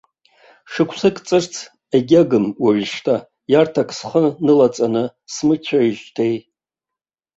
Шықәсык ҵырц егьагым уажәшьҭа, иарҭак схы нылаҵаны смыцәеижьҭеи.